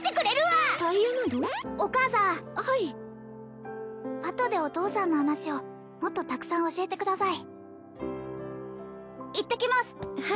お母さんはいあとでお父さんの話をもっとたくさん教えてください